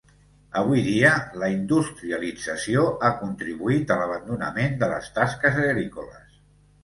Avui dia, la industrialització ha contribuït a l'abandonament de les tasques agrícoles.